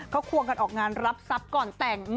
เขาควงกันออกงานรับทรัพย์ก่อนแต่ง